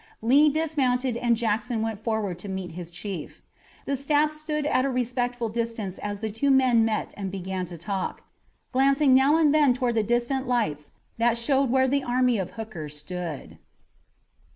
Lee dismounted and Jackson went forward to meet his chief. The staffs stood at a respectful distance as the two men met and began to talk, glancing now and then toward the distant lights that showed where the army of Hooker stood.